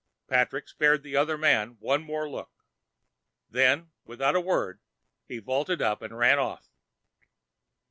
Patrick spared the other man one more look. Then, without a word, he vaulted up and ran off.